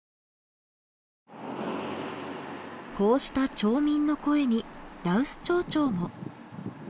こうした町民の声に羅臼町長も。